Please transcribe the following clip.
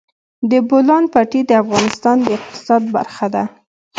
د بولان پټي د افغانستان د اقتصاد برخه ده.